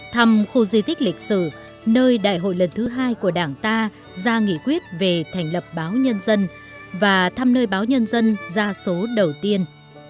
thăm khu di tích lịch sử nơi đại hội lần thứ hai của đảng ta ra nghị quyết về thành lập báo nhân dân và thăm nơi báo nhân dân ra số đầu tiên